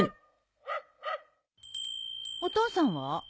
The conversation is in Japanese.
お父さんは？